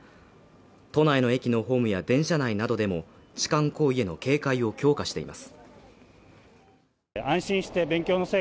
都内の駅のホームや電車内などでも痴漢行為への警戒を強化しています